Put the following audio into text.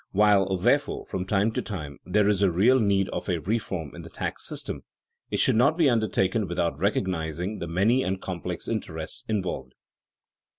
While, therefore, from time to time there is a real need of a reform in the tax system, it should not be undertaken without recognizing the many and complex interests involved.